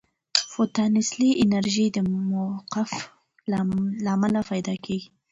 پوتانسیلي انرژي د موقف له امله پیدا کېږي.